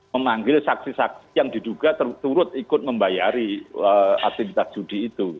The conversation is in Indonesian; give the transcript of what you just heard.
memanggil saksi saksi yang diduga turut ikut membayari aktivitas judi itu